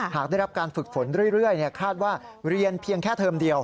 หากได้รับการฝึกฝนเรื่อยคาดว่าเรียนเพียงแค่เทอมเดียว